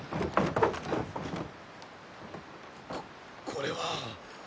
ここれは。